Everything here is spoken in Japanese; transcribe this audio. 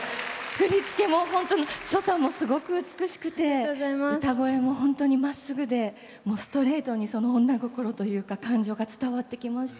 振り付けも本当、所作も美しくて歌声も本当にまっすぐでストレートに女心というか感情が伝わってきました。